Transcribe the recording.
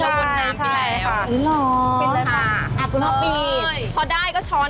เชื่อเอาเป็นเลยค่ะเอาอัพล็อปเปลี่นพอได้ก็ช้อน